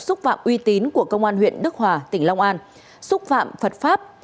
xúc phạm uy tín của công an huyện đức hòa tỉnh long an xúc phạm phật pháp